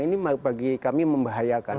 ini bagi kami membahayakan